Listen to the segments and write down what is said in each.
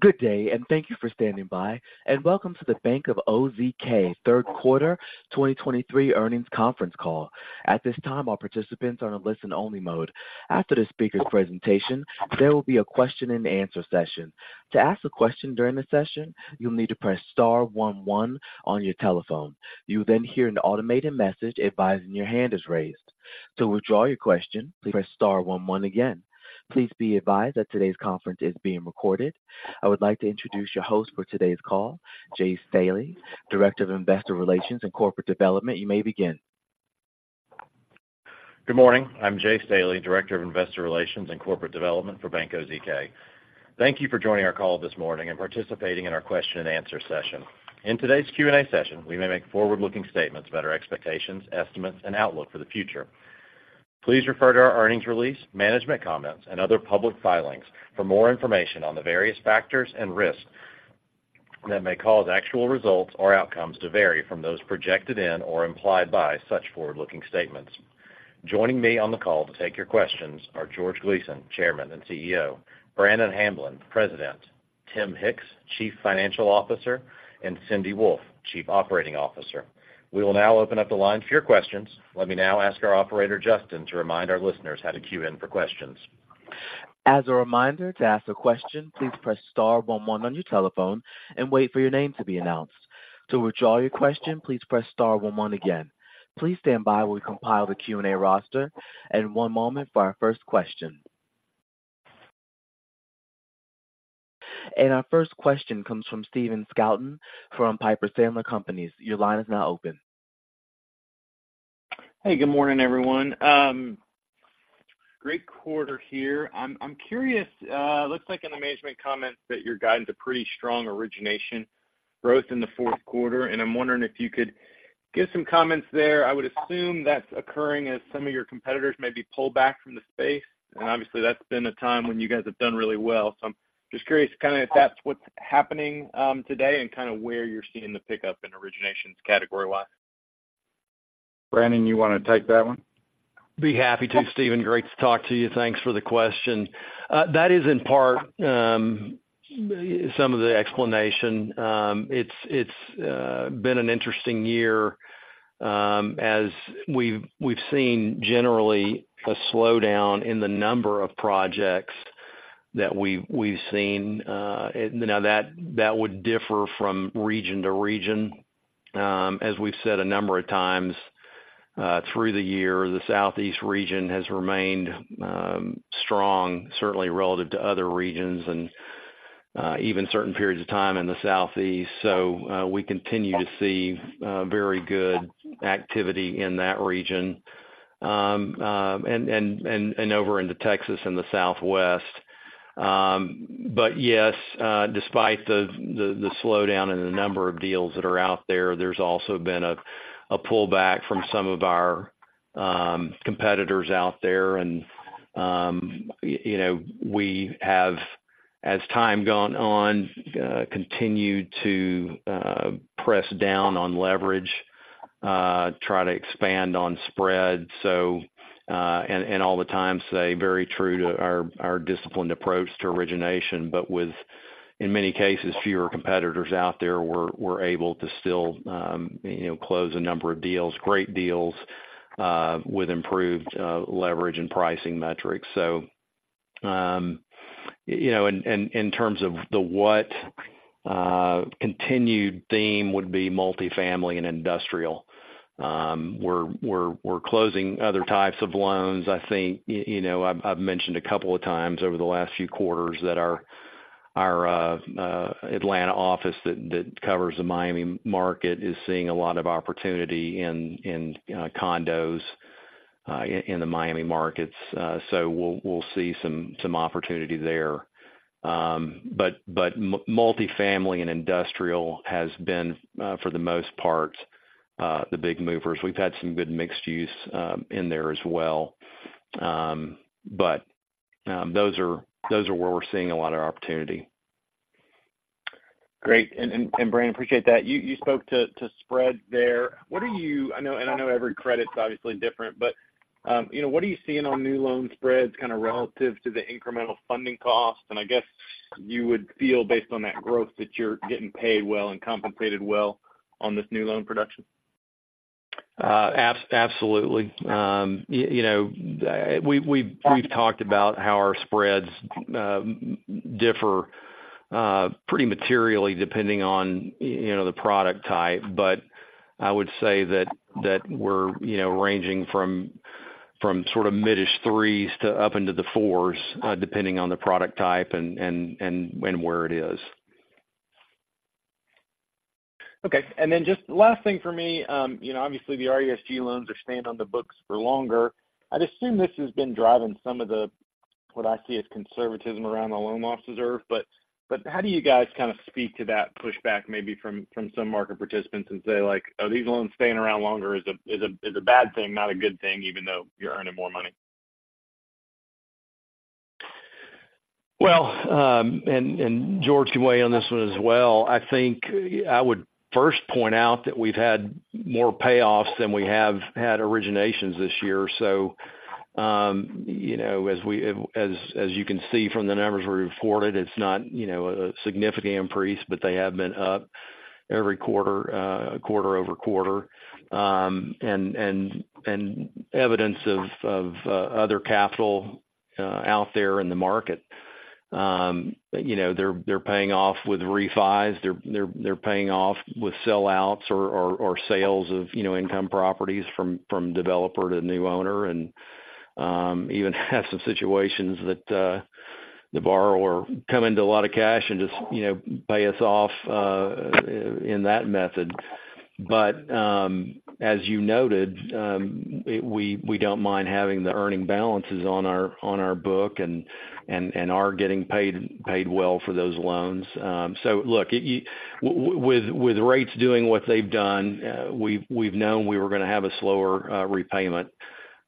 Good day, and thank you for standing by, and welcome to the Bank OZK Third Quarter 2023 Earnings Conference Call. At this time, all participants are on a listen-only mode. After the speaker's presentation, there will be a question-and-answer session. To ask a question during the session, you'll need to press star one one on your telephone. You'll then hear an automated message advising your hand is raised. To withdraw your question, press star one one again. Please be advised that today's conference is being recorded. I would like to introduce your host for today's call, Jay Staley, Director of Investor Relations and Corporate Development. You may begin. Good morning. I'm Jay Staley, Director of Investor Relations and Corporate Development for Bank OZK. Thank you for joining our call this morning and participating in our question-and-answer session. In today's Q&A session, we may make forward-looking statements about our expectations, estimates, and outlook for the future. Please refer to our earnings release, management comments, and other public filings for more information on the various factors and risks that may cause actual results or outcomes to vary from those projected in or implied by such forward-looking statements. Joining me on the call to take your questions are George Gleason, Chairman and CEO, Brannon Hamblen, President, Tim Hicks, Chief Financial Officer, and Cindy Wolfe, Chief Operating Officer. We will now open up the line for your questions. Let me now ask our operator, Justin, to remind our listeners how to queue in for questions. As a reminder, to ask a question, please press star one one on your telephone and wait for your name to be announced. To withdraw your question, please press star one one again. Please stand by while we compile the Q&A roster, and one moment for our first question. Our first question comes from Stephen Scouten from Piper Sandler Companies. Your line is now open. Hey, good morning, everyone. Great quarter here. I'm, I'm curious, it looks like in the management comments that you're guiding to pretty strong origination growth in the fourth quarter, and I'm wondering if you could give some comments there. I would assume that's occurring as some of your competitors maybe pull back from the space, and obviously, that's been a time when you guys have done really well. So I'm just curious to kind of if that's what's happening, today and kind of where you're seeing the pickup in originations category-wise. Brannon, you want to take that one? Be happy to, Steven. Great to talk to you. Thanks for the question. That is, in part, some of the explanation. It's been an interesting year, as we've seen generally a slowdown in the number of projects that we've seen. Now, that would differ from region to region. As we've said a number of times, through the year, the Southeast region has remained strong, certainly relative to other regions and even certain periods of time in the Southeast. So, we continue to see very good activity in that region, and over into Texas and the Southwest. But yes, despite the slowdown in the number of deals that are out there, there's also been a pullback from some of our competitors out there. You know, we have, as time gone on, continued to press down on leverage, try to expand on spread. So, and all the time, stay very true to our disciplined approach to origination, but with, in many cases, fewer competitors out there, we're able to still, you know, close a number of deals, great deals, with improved leverage and pricing metrics. So, you know, and in terms of the what continued theme would be multifamily and industrial. We're closing other types of loans. I think, you know, I've mentioned a couple of times over the last few quarters that our Atlanta office that covers the Miami market is seeing a lot of opportunity in condos in the Miami markets. So we'll see some opportunity there. But multifamily and industrial has been, for the most part, the big movers. We've had some good mixed use, in there as well. But those are where we're seeing a lot of opportunity. Great. And Brannon, appreciate that. You spoke to spread there. What are you, I know, and I know every credit is obviously different, but you know, what are you seeing on new loan spreads, kind of relative to the incremental funding costs? And I guess you would feel, based on that growth, that you're getting paid well and compensated well on this new loan production. Absolutely. You know, we've talked about how our spreads differ pretty materially, depending on, you know, the product type. But I would say that we're, you know, ranging from sort of midish threes to up into the fours, depending on the product type and where it is. Okay. And then just last thing for me, you know, obviously, the RESG loans are staying on the books for longer. I'd assume this has been driving some of the, what I see as conservatism around the loan loss reserve. But, but how do you guys kind of speak to that pushback, maybe from some market participants and say, like, "Are these loans staying around longer is a bad thing, not a good thing, even though you're earning more money? Well, George can weigh on this one as well. I think I would first point out that we've had more payoffs than we have had originations this year. So, you know, as you can see from the numbers we reported, it's not, you know, a significant increase, but they have been up every quarter, quarter-over-quarter. Evidence of other capital out there in the market. You know, they're paying off with refis, they're paying off with sellouts or sales of, you know, income properties from developer to new owner. And even have some situations that the borrower come into a lot of cash and just, you know, pay us off in that method. But, as you noted, we don't mind having the earning balances on our book and are getting paid well for those loans. So look, with rates doing what they've done, we've known we were going to have a slower repayment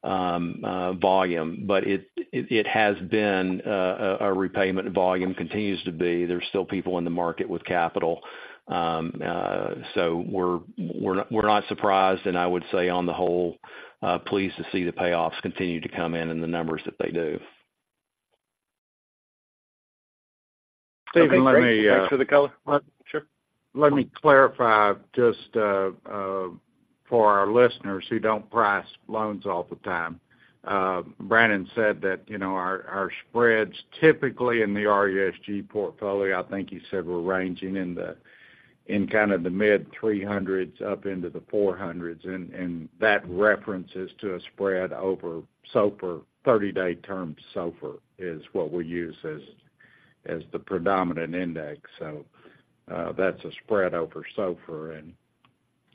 volume, but it has been a repayment volume continues to be. There's still people in the market with capital. So we're not surprised, and I would say, on the whole, pleased to see the payoffs continue to come in in the numbers that they do. Steven, let me- Thanks for the color. Sure. Let me clarify just for our listeners who don't price loans all the time. Brannon said that, you know, our spreads typically in the RESG portfolio, I think he said, were ranging in kind of the mid-300s up into the 400s, and that reference is to a spread over SOFR, 30-day term SOFR, is what we use as the predominant index. So, that's a spread over SOFR, and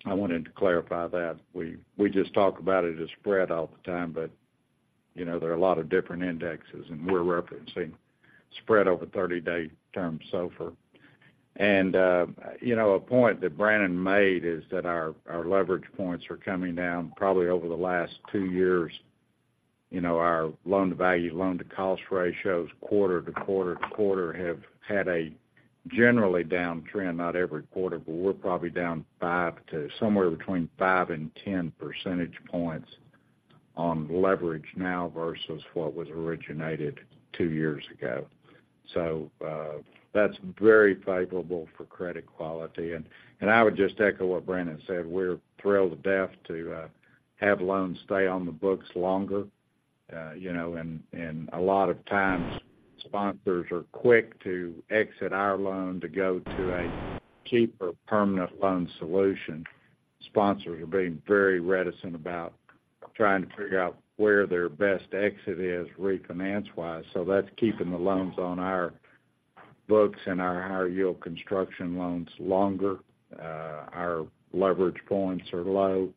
I wanted to clarify that. We just talk about it as spread all the time, but, you know, there are a lot of different indexes, and we're referencing spread over 30-day term SOFR. And, you know, a point that Brannon made is that our leverage points are coming down. Probably over the last two years, you know, our loan-to-value, loan-to-cost ratios, quarter to quarter to quarter, have had a generally downtrend, not every quarter, but we're probably down five to... somewhere between 5% and 10% points on leverage now versus what was originated two years ago. So, that's very favorable for credit quality. And, and I would just echo what Brannon said, we're thrilled to death to, have loans stay on the books longer, you know, and, and a lot of times, sponsors are quick to exit our loan to go to a keep or permanent loan solution. Sponsors are being very reticent about trying to figure out where their best exit is refinance-wise, so that's keeping the loans on our books and our higher yield construction loans longer. Our leverage points are low,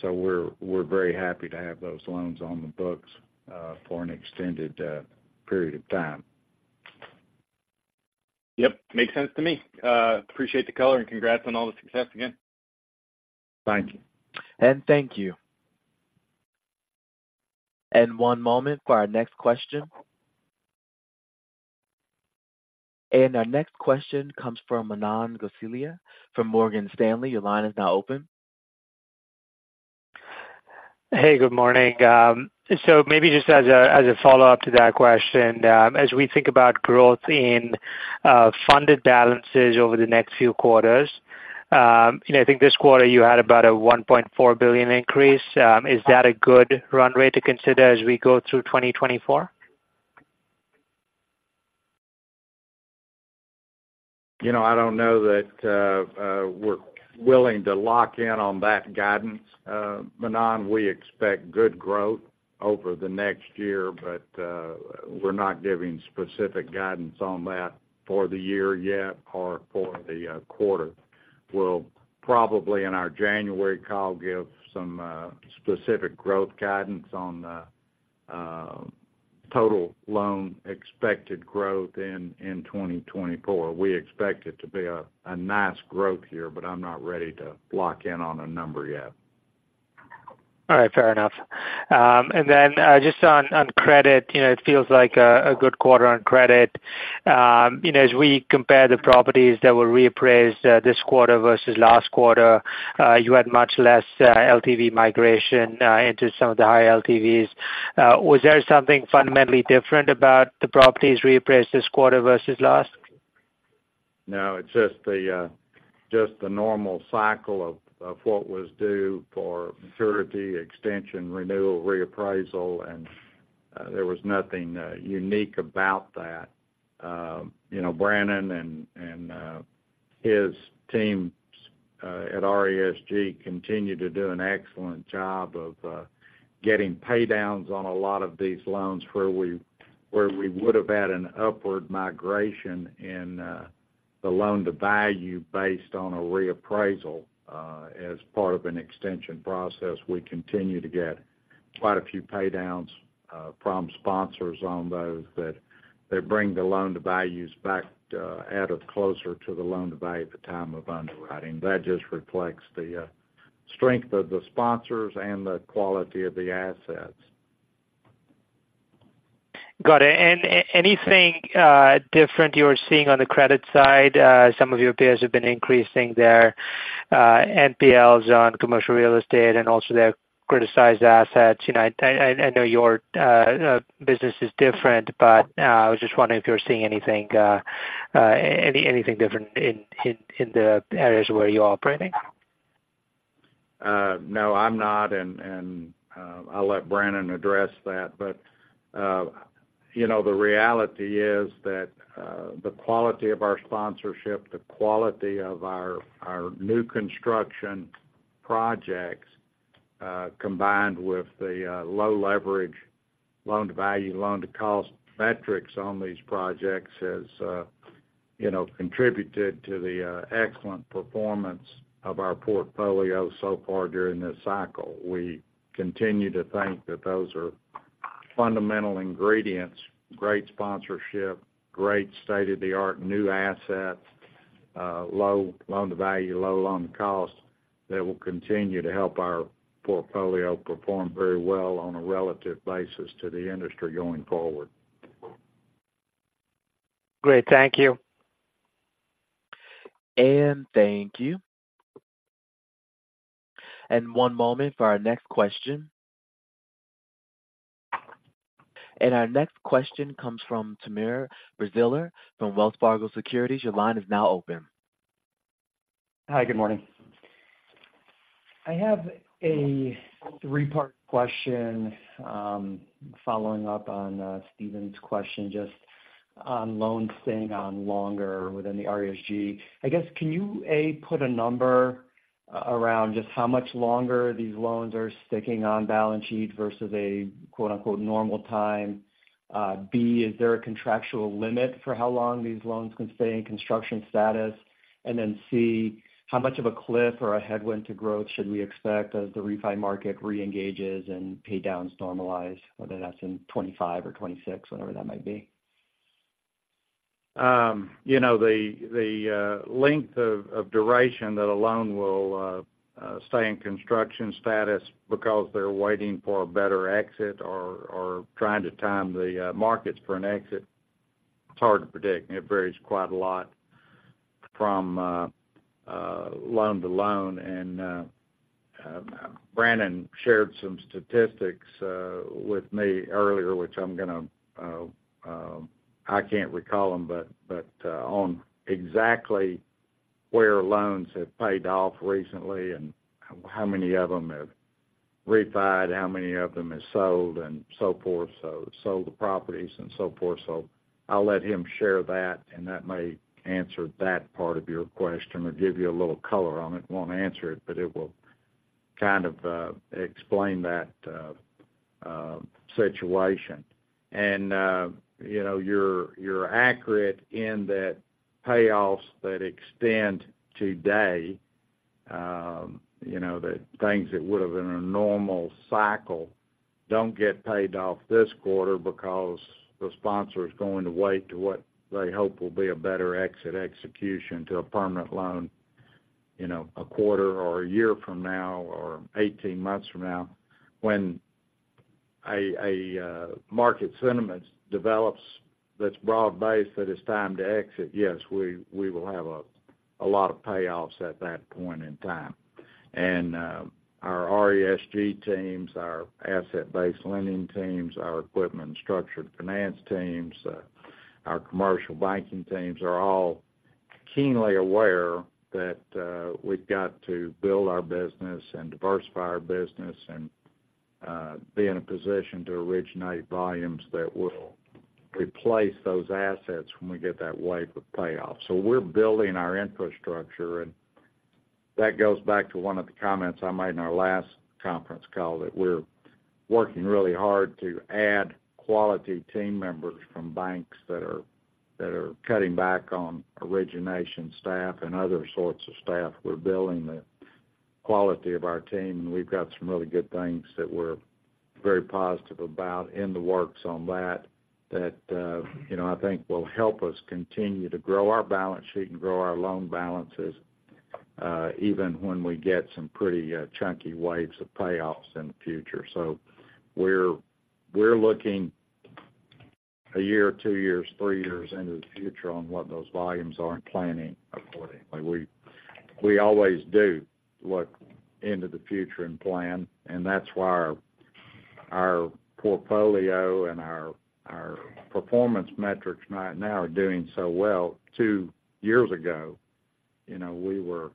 so we're very happy to have those loans on the books for an extended period of time. Yep. Makes sense to me. Appreciate the color, and congrats on all the success again. Thank you. Thank you. One moment for our next question. Our next question comes from Manan Gosalia from Morgan Stanley. Your line is now open. Hey, good morning. So maybe just as a follow-up to that question, as we think about growth in funded balances over the next few quarters, you know, I think this quarter you had about a $1.4 billion increase. Is that a good run rate to consider as we go through 2024? You know, I don't know that we're willing to lock in on that guidance, Manan. We expect good growth over the next year, but we're not giving specific guidance on that for the year yet or for the quarter. We'll probably in our January call give some specific growth guidance on the total loan expected growth in 2024. We expect it to be a nice growth year, but I'm not ready to lock in on a number yet. All right. Fair enough. And then, just on credit, you know, it feels like a good quarter on credit. You know, as we compare the properties that were reappraised this quarter versus last quarter, you had much less LTV migration into some of the high LTVs. Was there something fundamentally different about the properties reappraised this quarter versus last? No, it's just the normal cycle of what was due for maturity, extension, renewal, reappraisal, and there was nothing unique about that. You know, Brannon and his teams at RESG continue to do an excellent job of getting pay downs on a lot of these loans where we would have had an upward migration in the loan-to-value based on a reappraisal as part of an extension process. We continue to get quite a few pay downs from sponsors on those, that they bring the loan-to-values back out of closer to the loan-to-value at the time of underwriting. That just reflects the strength of the sponsors and the quality of the assets. ... Got it. And anything different you're seeing on the credit side? Some of your peers have been increasing their NPLs on commercial real estate and also their criticized assets. You know, I know your business is different, but I was just wondering if you're seeing anything different in the areas where you're operating? No, I'm not, and I'll let Brannon address that. But you know, the reality is that the quality of our sponsorship, the quality of our new construction projects, combined with the low leverage loan-to-value, loan-to-cost metrics on these projects has you know contributed to the excellent performance of our portfolio so far during this cycle. We continue to think that those are fundamental ingredients, great sponsorship, great state-of-the-art new assets, low loan-to-value, low loan-to-cost, that will continue to help our portfolio perform very well on a relative basis to the industry going forward. Great. Thank you. Thank you. One moment for our next question. Our next question comes from Timur Braziler from Wells Fargo Securities. Your line is now open. Hi, good morning. I have a three-part question, following up on Steven's question, just on loans staying on longer within the RESG. I guess, can you, A, put a number around just how much longer these loans are sticking on balance sheet versus a, quote, unquote, "normal time?" B, is there a contractual limit for how long these loans can stay in construction status? And then, C, how much of a cliff or a headwind to growth should we expect as the refi market reengages and pay downs normalize, whether that's in 2025 or 2026, whenever that might be? You know, the length of duration that a loan will stay in construction status because they're waiting for a better exit or trying to time the markets for an exit, it's hard to predict, and it varies quite a lot from loan to loan. Brannon shared some statistics with me earlier, which I'm gonna, I can't recall them, but on exactly where loans have paid off recently and how many of them have refied, how many of them have sold, and so forth, so sold the properties and so forth. So I'll let him share that, and that may answer that part of your question or give you a little color on it. It won't answer it, but it will kind of explain that situation. You know, you're accurate in that payoffs that extend today, you know, the things that would have been a normal cycle don't get paid off this quarter because the sponsor is going to wait to what they hope will be a better exit execution to a permanent loan, you know, a quarter or a year from now, or 18 months from now. When a market sentiment develops that's broad-based, that it's time to exit, yes, we will have a lot of payoffs at that point in time. Our RESG teams, our asset-based lending teams, our equipment structured finance teams, our commercial banking teams are all keenly aware that we've got to build our business and diversify our business and be in a position to originate volumes that will replace those assets when we get that wave of payoffs. So we're building our infrastructure, and that goes back to one of the comments I made in our last conference call, that we're working really hard to add quality team members from banks that are cutting back on origination staff and other sorts of staff. We're building the quality of our team, and we've got some really good things that we're very positive about in the works on that, that you know, I think will help us continue to grow our balance sheet and grow our loan balances, even when we get some pretty chunky waves of payoffs in the future. So we're looking a year, two years, three years into the future on what those volumes are and planning accordingly. We always do look into the future and plan, and that's why our portfolio and our performance metrics right now are doing so well. Two years ago, you know, we were...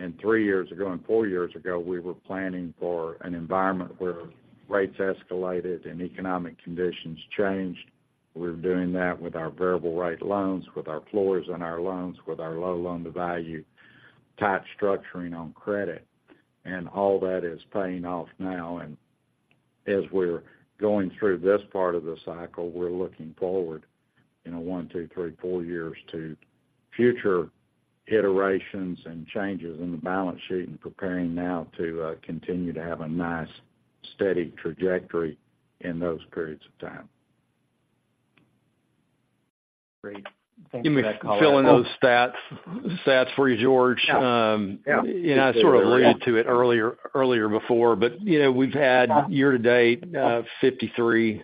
And three years ago, and four years ago, we were planning for an environment where rates escalated and economic conditions changed. We're doing that with our variable rate loans, with our floors on our loans, with our low loan-to-value type structuring on credit, and all that is paying off now. As we're going through this part of the cycle, we're looking forward in one, two, three, four years to future iterations and changes in the balance sheet and preparing now to continue to have a nice, steady trajectory in those periods of time.... Great. Thank you for that color. Let me fill in those stats, stats for you, George. Yeah, yeah. You know, I sort of alluded to it earlier, earlier before, but, you know, we've had year-to-date 53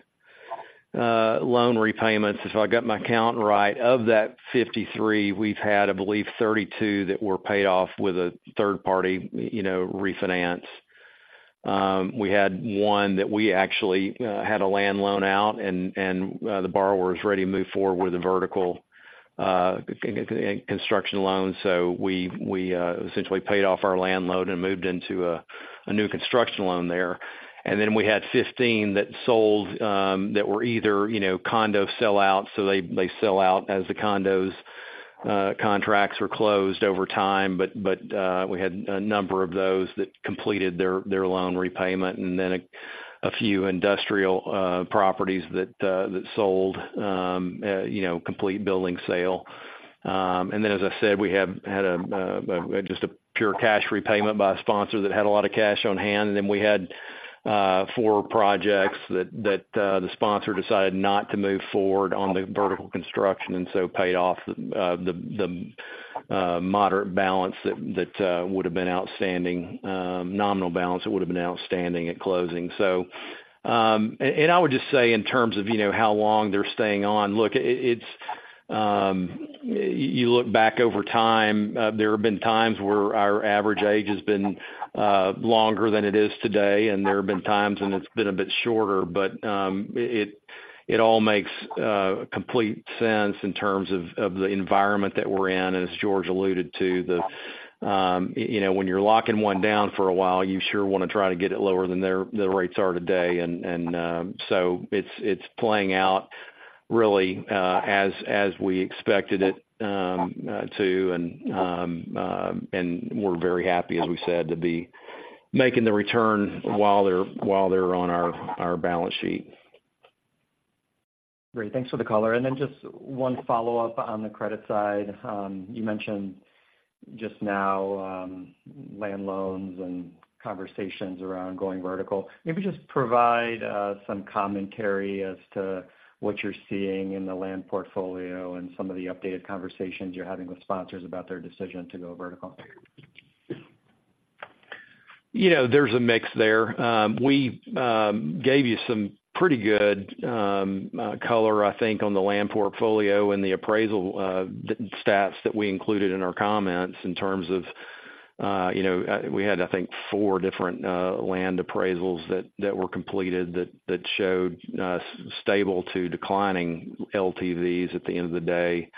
loan repayments. If I got my count right, of that 53, we've had, I believe, 32 that were paid off with a third party, you know, refinance. We had one that we actually had a land loan out, and the borrower was ready to move forward with a vertical construction loan. So we essentially paid off our land loan and moved into a new construction loan there. And then we had 15 that sold, that were either, you know, condo sellouts, so they sell out as the condos contracts were closed over time. But we had a number of those that completed their loan repayment and then a few industrial properties that sold, you know, complete building sale. And then, as I said, we have had just a pure cash repayment by a sponsor that had a lot of cash on hand. And then we had four projects that the sponsor decided not to move forward on the vertical construction and so paid off the moderate balance that would have been outstanding, nominal balance that would have been outstanding at closing. So, I would just say in terms of, you know, how long they're staying on, look, it's, you look back over time, there have been times where our average age has been longer than it is today, and there have been times when it's been a bit shorter. But, it all makes complete sense in terms of the environment that we're in. As George alluded to, you know, when you're locking one down for a while, you sure want to try to get it lower than the rates are today. And, so it's playing out really as we expected it to. And we're very happy, as we said, to be making the return while they're on our balance sheet. Great. Thanks for the color. And then just one follow-up on the credit side. You mentioned just now, land loans and conversations around going vertical. Maybe just provide some commentary as to what you're seeing in the land portfolio and some of the updated conversations you're having with sponsors about their decision to go vertical. You know, there's a mix there. We gave you some pretty good color, I think, on the land portfolio and the appraisal stats that we included in our comments in terms of, you know, we had, I think, four different land appraisals that were completed that showed stable to declining LTVs at the end of the day.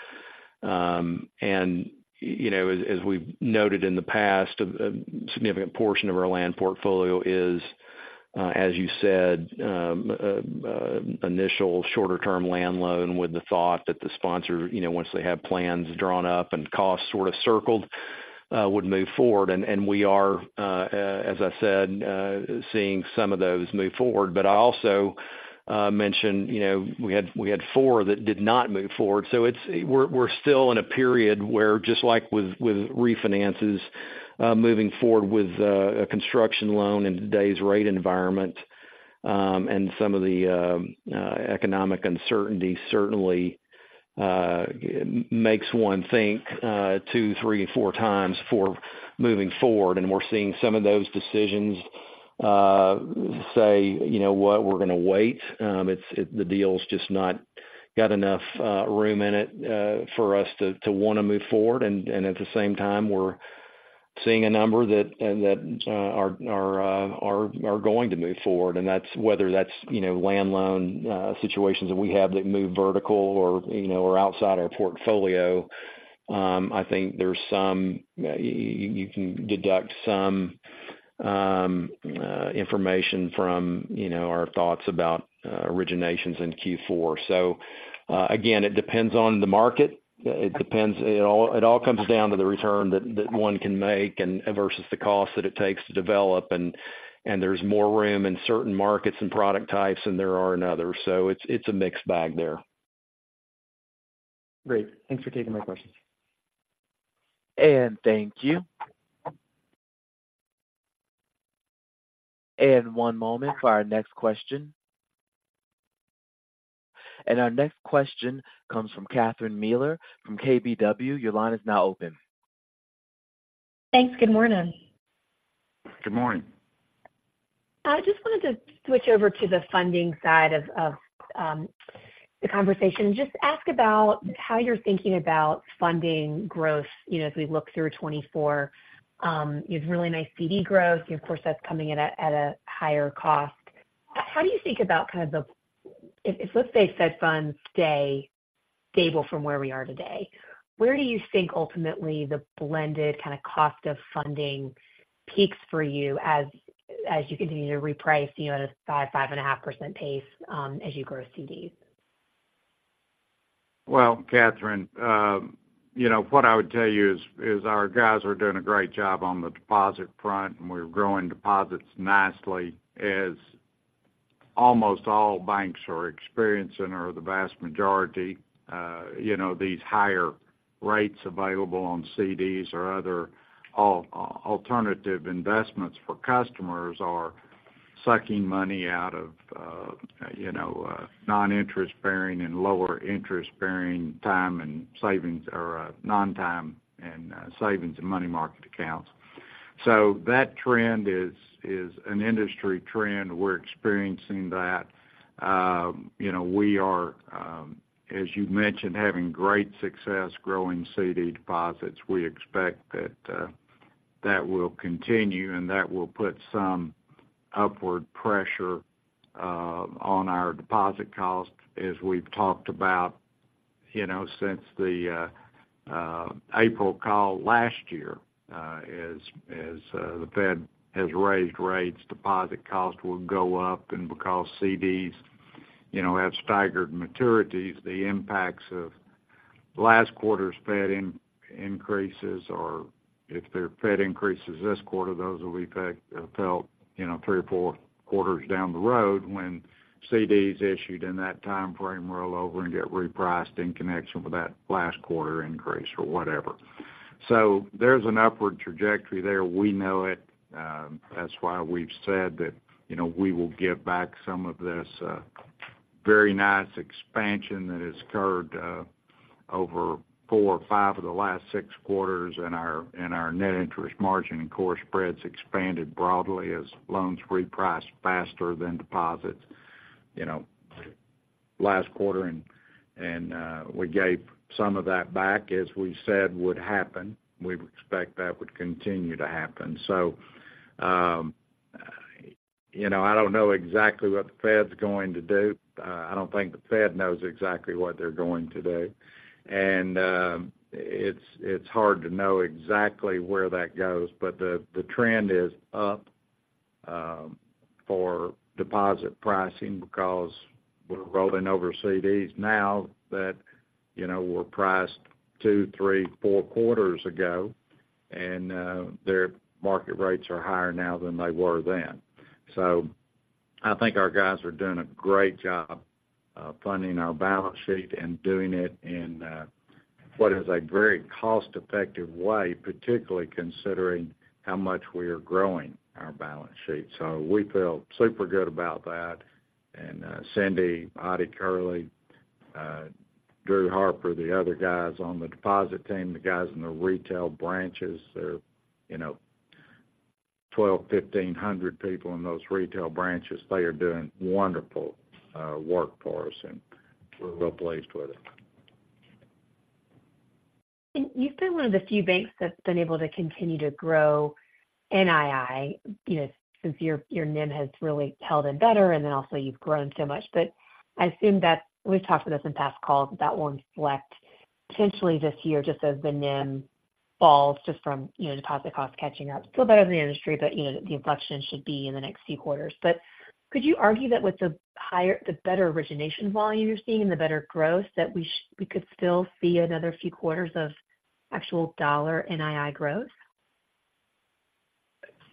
And, you know, as we've noted in the past, a significant portion of our land portfolio is, as you said, initial shorter-term land loan, with the thought that the sponsor, you know, once they have plans drawn up and costs sort of circled, would move forward. And we are, as I said, seeing some of those move forward. I also mentioned, you know, we had four that did not move forward. We're still in a period where, just like with refinances, moving forward with a construction loan in today's rate environment and some of the economic uncertainty certainly makes one think two, three, four times before moving forward. We're seeing some of those decisions say, you know what? We're going to wait. The deal's just not got enough room in it for us to want to move forward. At the same time, we're seeing a number that are going to move forward. That's whether that's, you know, land loan situations that we have that move vertical or, you know, or outside our portfolio. I think there's some... You can deduct some information from, you know, our thoughts about originations in Q4. So, again, it depends on the market. It depends. It all comes down to the return that one can make and versus the cost that it takes to develop. And there's more room in certain markets and product types than there are in others. So it's a mixed bag there. Great. Thanks for taking my questions. Thank you. One moment for our next question. Our next question comes from Catherine Mealor from KBW. Your line is now open. Thanks. Good morning. Good morning. I just wanted to switch over to the funding side of the conversation and just ask about how you're thinking about funding growth, you know, as we look through 2024. You have really nice CD growth. Of course, that's coming at a higher cost. How do you think about kind of the—if, let's say, Fed Funds stay stable from where we are today, where do you think ultimately the blended kind of cost of funding peaks for you as you continue to reprice, you know, at a 5%-5.5% pace, as you grow CDs? Well, Catherine, you know, what I would tell you is our guys are doing a great job on the deposit front, and we're growing deposits nicely. As almost all banks are experiencing or the vast majority, you know, these higher rates available on CDs or other alternative investments for customers are-... sucking money out of, you know, non-interest bearing and lower interest bearing time and savings or, non-time and, savings and money market accounts. So that trend is an industry trend. We're experiencing that. You know, we are, as you mentioned, having great success growing CD deposits. We expect that that will continue, and that will put some upward pressure on our deposit costs. As we've talked about, you know, since the April call last year, as the Fed has raised rates, deposit costs will go up, and because CDs, you know, have staggered maturities, the impacts of last quarter's Fed increases, or if there are Fed increases this quarter, those will be felt, you know, three or four quarters down the road when CDs issued in that time frame roll over and get repriced in connection with that last quarter increase or whatever. So there's an upward trajectory there. We know it. That's why we've said that, you know, we will give back some of this very nice expansion that has occurred over four or five of the last six quarters in our net interest margin, and core spreads expanded broadly as loans reprice faster than deposits, you know, last quarter, and we gave some of that back, as we said, would happen. We would expect that would continue to happen. So, you know, I don't know exactly what the Fed's going to do. I don't think the Fed knows exactly what they're going to do. And, it's hard to know exactly where that goes, but the trend is up for deposit pricing because we're rolling over CDs now that, you know, were priced two, three, four quarters ago, and their market rates are higher now than they were then. So I think our guys are doing a great job of funding our balance sheet and doing it in what is a very cost-effective way, particularly considering how much we are growing our balance sheet. So we feel super good about that. And, Cindy, Ottie Kerley, Drew Harper, the other guys on the deposit team, the guys in the retail branches, there are, you know, 12, 1,500 people in those retail branches. They are doing wonderful work for us, and we're real pleased with it. You've been one of the few banks that's been able to continue to grow NII, you know, since your, your NIM has really held in better, and then also you've grown so much. But I assume that, we've talked about this in past calls, that won't select potentially this year, just as the NIM falls just from, you know, deposit costs catching up. Still better than the industry, but, you know, the inflection should be in the next few quarters. But could you argue that with the higher, the better origination volume you're seeing and the better growth, that we we could still see another few quarters of actual dollar NII growth?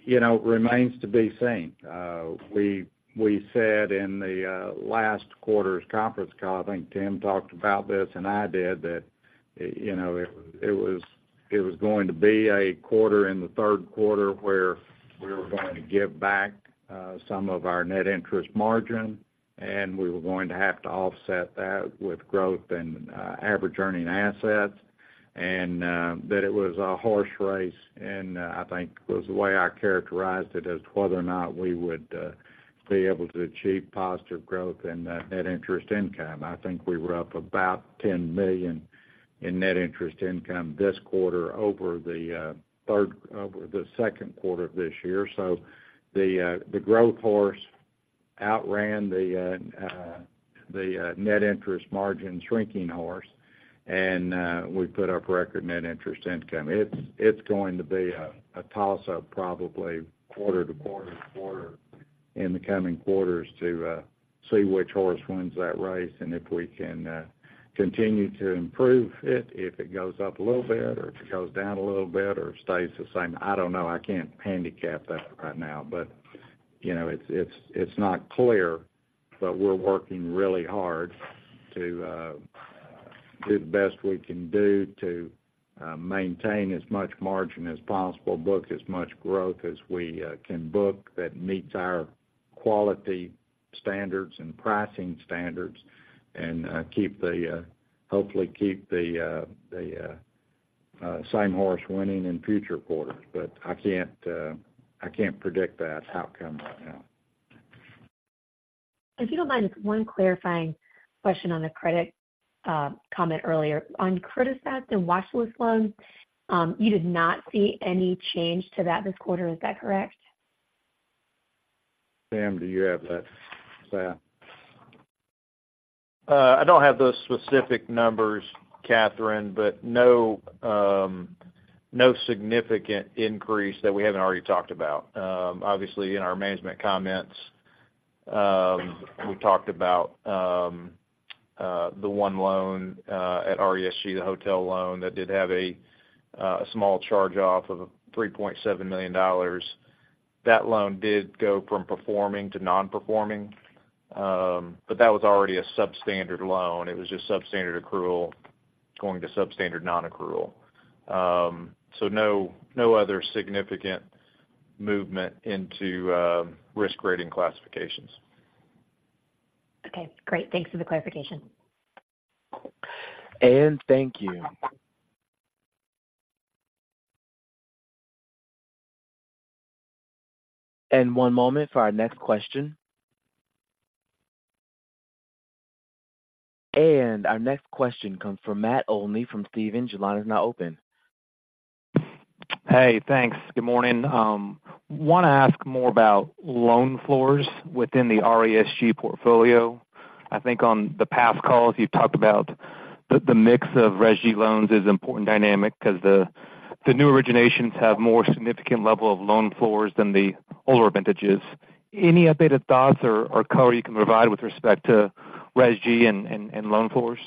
You know, it remains to be seen. We said in the last quarter's conference call, I think Tim talked about this, and I did, that, you know, it was going to be a quarter in the third quarter where we were going to give back some of our net interest margin, and we were going to have to offset that with growth and average earning assets, and that it was a horse race. And I think was the way I characterized it, as whether or not we would be able to achieve positive growth in the net interest income. I think we were up about $10 million in net interest income this quarter over the third, the second quarter of this year. So the growth horse outran the net interest margin shrinking horse, and we put up record net interest income. It's going to be a toss-up, probably quarter to quarter to quarter in the coming quarters, to see which horse wins that race and if we can continue to improve it, if it goes up a little bit, or if it goes down a little bit or stays the same. I don't know. I can't handicap that right now, but, you know, it's not clear, but we're working really hard to do the best we can do to maintain as much margin as possible, book as much growth as we can book that meets our quality standards and pricing standards, and, hopefully, keep the same horse winning in future quarters. But I can't predict that outcome right now. If you don't mind, just one clarifying question on the credit comment earlier. On criticized and watchlist loans, you did not see any change to that this quarter. Is that correct? Tim, do you have that slide? I don't have those specific numbers, Catherine, but no, no significant increase that we haven't already talked about. Obviously, in our management comments, we talked about the one loan at RESG, the hotel loan, that did have a small charge-off of $3.7 million. That loan did go from performing to non-performing, but that was already a substandard loan. It was just substandard accrual going to substandard nonaccrual. So no, no other significant movement into risk rating classifications. Okay, great. Thanks for the clarification. Thank you. One moment for our next question. Our next question comes from Matt Olney from Stephens. Your line is now open. Hey, thanks. Good morning. Want to ask more about loan floors within the RESG portfolio. I think on the past calls, you've talked about the mix of RESG loans is an important dynamic because the new originations have more significant level of loan floors than the older vintages. Any updated thoughts or color you can provide with respect to RESG and loan floors?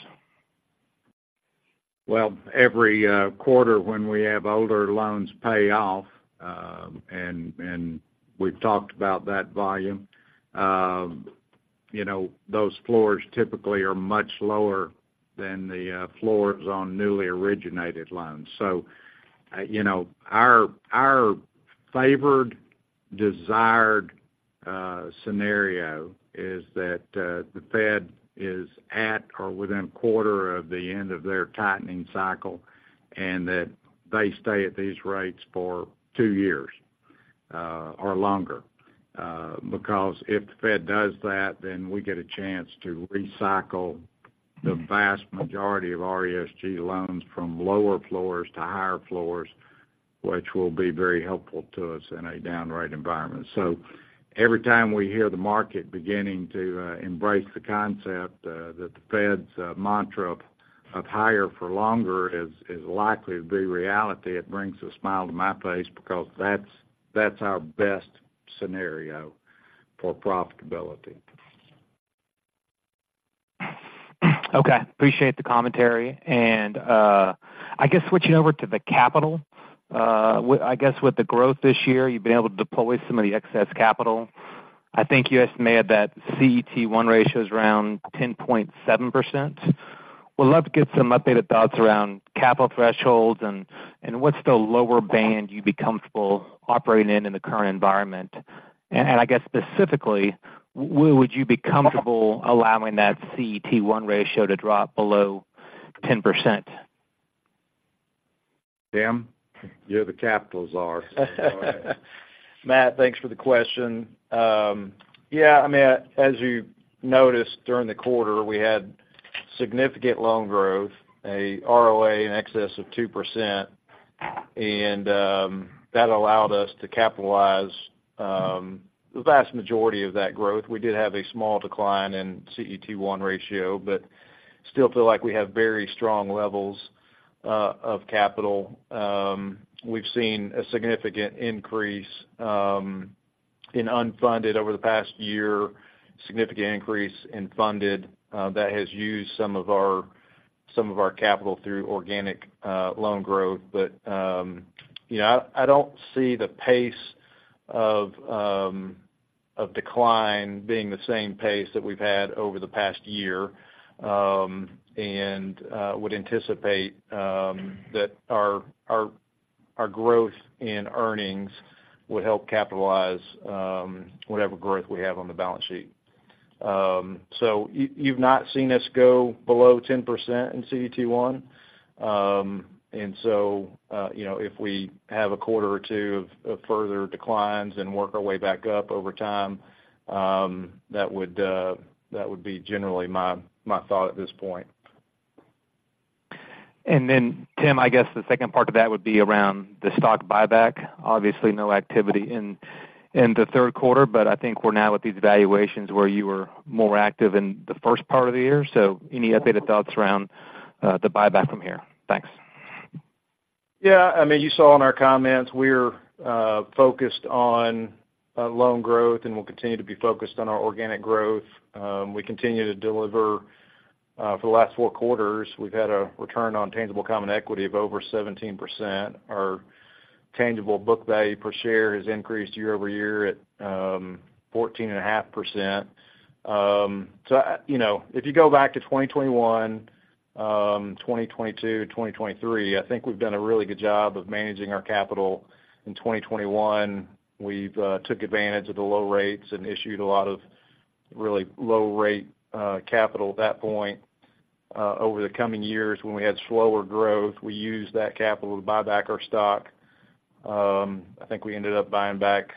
Well, every quarter when we have older loans pay off, and we've talked about that volume, you know, those floors typically are much lower than the floors on newly originated loans. So, you know, our favored, desired scenario is that the Fed is at or within a quarter of the end of their tightening cycle, and that they stay at these rates for two years, or longer. Because if the Fed does that, then we get a chance to recycle the vast majority of RESG loans from lower floors to higher floors, which will be very helpful to us in a down rate environment. So every time we hear the market beginning to embrace the concept that the Fed's mantra of higher for longer is likely to be reality, it brings a smile to my face because that's our best scenario for profitability. Okay, appreciate the commentary. And, I guess, switching over to the capital, I guess with the growth this year, you've been able to deploy some of the excess capital. I think you estimated that CET1 ratio is around 10.7%. Would love to get some updated thoughts around capital thresholds and, and what's the lower band you'd be comfortable operating in in the current environment? And, I guess, specifically, would you be comfortable allowing that CET1 ratio to drop below 10%? Tim, you're the capital czar. Matt, thanks for the question. Yeah, I mean, as you noticed, during the quarter, we had significant loan growth, a ROA in excess of 2%, and, that allowed us to capitalize, the vast majority of that growth. We did have a small decline in CET1 ratio, but still feel like we have very strong levels, of capital. We've seen a significant increase, in unfunded over the past year, significant increase in funded, that has used some of our, some of our capital through organic, loan growth. But, you know, I, I don't see the pace of, of decline being the same pace that we've had over the past year, and, would anticipate, that our, our, our growth in earnings would help capitalize, whatever growth we have on the balance sheet. So you've not seen us go below 10% in CET1. And so, you know, if we have a quarter or two of further declines and work our way back up over time, that would be generally my thought at this point. And then, Tim, I guess the second part to that would be around the stock buyback. Obviously, no activity in the third quarter, but I think we're now at these valuations where you were more active in the first part of the year. So any updated thoughts around the buyback from here? Thanks. Yeah, I mean, you saw in our comments, we're focused on loan growth, and we'll continue to be focused on our organic growth. We continue to deliver for the last four quarters; we've had a return on tangible common equity of over 17%. Our tangible book value per share has increased year-over-year at 14.5%. So, you know, if you go back to 2021, 2022, 2023, I think we've done a really good job of managing our capital. In 2021, we've took advantage of the low rates and issued a lot of really low rate capital at that point. Over the coming years, when we had slower growth, we used that capital to buy back our stock. I think we ended up buying back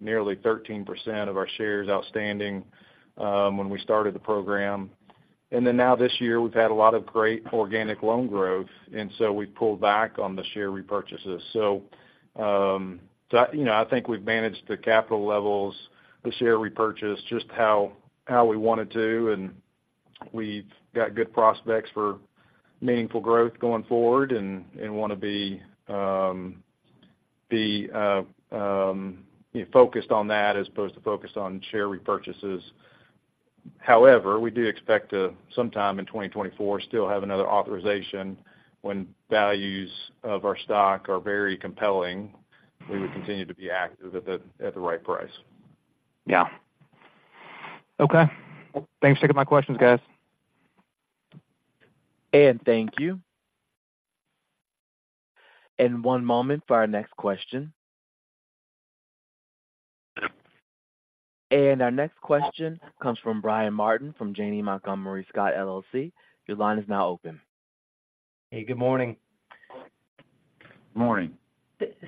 nearly 13% of our shares outstanding, when we started the program. And then now this year, we've had a lot of great organic loan growth, and so we pulled back on the share repurchases. So, you know, I think we've managed the capital levels, the share repurchase, just how we wanted to, and we've got good prospects for meaningful growth going forward and want to be, you know, focused on that as opposed to focused on share repurchases. However, we do expect to, sometime in 2024, still have another authorization when values of our stock are very compelling, we would continue to be active at the right price. Yeah.... Okay. Thanks for taking my questions, guys. Thank you. One moment for our next question. Our next question comes from Brian Martin from Janney Montgomery Scott, LLC. Your line is now open. Hey, good morning. Morning.